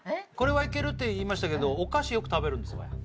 これはいけるって言いましたけどお菓子よく食べるんですね？